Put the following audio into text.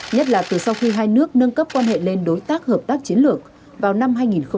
nhất là từ sau khi hai nước nâng cấp quan hệ lên đối tác hợp tác chiến lược vào năm hai nghìn chín